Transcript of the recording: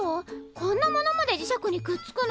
こんなものまで磁石にくっつくの？